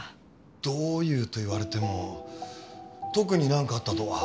どういうと言われても特になんかあったとは。